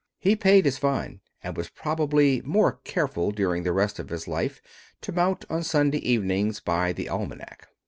He paid his fine, and was probably more careful during the rest of his life to mount on Sunday evenings by the almanac.